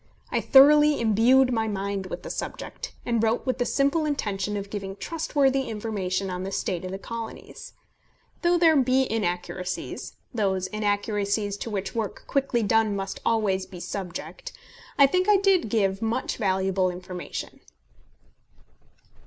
I thoroughly imbued my mind with the subject, and wrote with the simple intention of giving trustworthy information on the state of the Colonies. Though there be inaccuracies, those inaccuracies to which work quickly done must always be subject, I think I did give much valuable information.